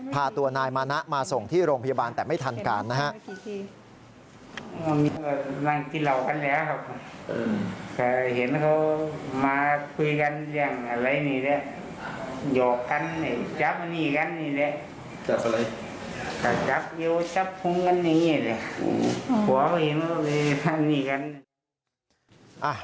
พาตัวนายมานะมาส่งที่โรงพยาบาลแต่ไม่ทันการนะฮะ